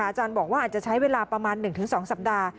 อาจารย์บอกว่าอาจจะใช้เวลาประมาณ๑๒สัปดาห์